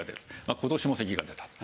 今年も咳が出た。